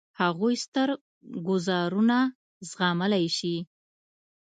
هغوی ستر ګوزارونه زغملای شي.